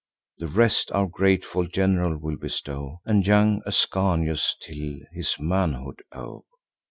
The rest our grateful gen'ral will bestow, And young Ascanius till his manhood owe."